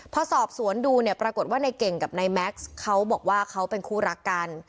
พอสอบสวนดูเนี่ยปรากฏว่าในเก่งกับนายแม็กซ์เขาบอกว่าเขาเป็นคู่รักกัน